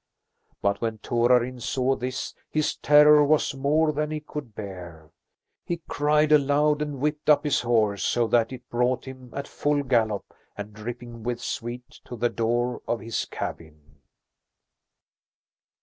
But when Torarin saw this his terror was more than he could bear. He cried aloud and whipped up his horse, so that it brought him at full gallop and dripping with sweat to the door of his cabin.